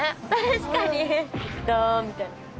確かにダン！みたいな。